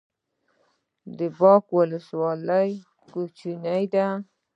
د باک ولسوالۍ کوچنۍ ده